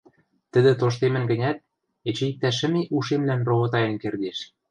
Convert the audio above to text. Тӹдӹ тоштемӹн гӹнят, эче иктӓ шӹм и ушемлӓн ровотаен кердеш.